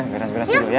beres beres dulu ya